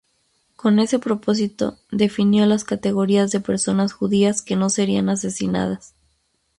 Con ese propósito, definió las categorías de personas judías que no serían asesinadas.